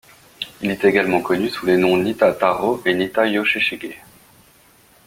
Il est également connu sous les noms Nitta Tarō et Nitta Yoshishige.